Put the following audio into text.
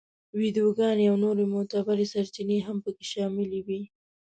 ویډیوګانې او نورې معتبرې سرچینې هم په کې شاملې وې.